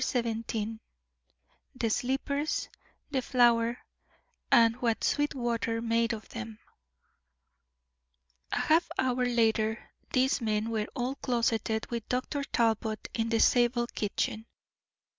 XVII THE SLIPPERS, THE FLOWER, AND WHAT SWEETWATER MADE OF THEM A half hour later these men were all closeted with Dr. Talbot in the Zabel kitchen.